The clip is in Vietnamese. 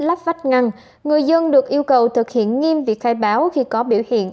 lắp vách ngăn người dân được yêu cầu thực hiện nghiêm việc khai báo khi có biểu hiện